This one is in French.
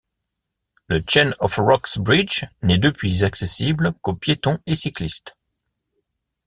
Le Chain of Rocks Bridge n'est depuis accessible qu'aux piétons et cyclistes.